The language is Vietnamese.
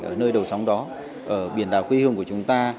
ở nơi đầu sóng đó ở biển đảo quê hương của chúng ta